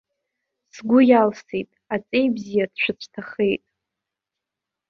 Сгәы иалсит, аҵеи бзиа дшәыцәҭахеит!